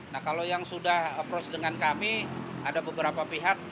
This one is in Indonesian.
nah kalau yang sudah approach dengan kami ada beberapa pihak